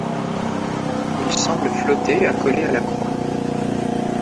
Il semble flotter accolé à la croix.